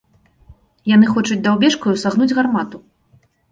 Яны хочуць даўбешкаю сагнуць гармату.